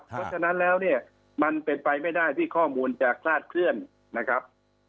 เพราะฉะนั้นแล้วเนี่ยมันเป็นไปไม่ได้ที่ข้อมูลจะคลาดเคลื่อนนะครับ